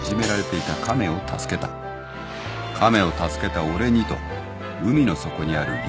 亀を助けたお礼にと海の底にある竜